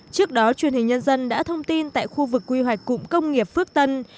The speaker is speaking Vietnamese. trước đó truyền hình nhân dân đã thông tin tại khu vực quy hoạch cụm công nghiệp phước tân